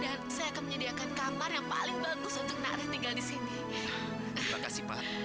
dan saya akan menyediakan kamar yang paling bagus untuk nak raih tinggal di sini